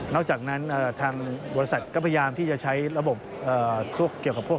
จากนั้นทางบริษัทก็พยายามที่จะใช้ระบบเกี่ยวกับพวก